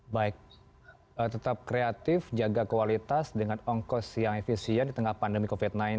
baik tetap kreatif jaga kualitas dengan ongkos yang efisien di tengah pandemi covid sembilan belas